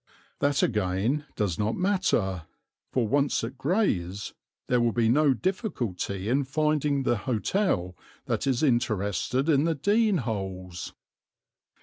That again does not matter, for once at Grays, there will be no difficulty in finding the hotel that is interested in the Dene Holes.